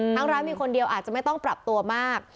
ร้านมีคนเดียวอาจจะไม่ต้องปรับตัวมาก